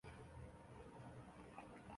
交通中心。